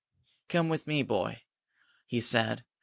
"Come with me, boy," he said.